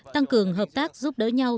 tăng cường hợp tác giúp đỡ nhau